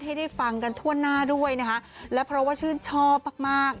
ให้ได้ฟังกันทั่วหน้าด้วยนะคะและเพราะว่าชื่นชอบมากมาก